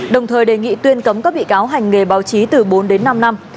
đồng thời đề nghị tuyên cấm các bị cáo hành nghề báo chí từ bốn đến năm năm